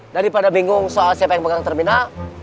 daripada bingung soal siapa yang pegang terminal